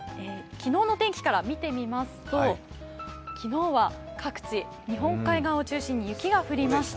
昨日の天気から見てみますと昨日は各地、日本海側を中心に雪が降りました。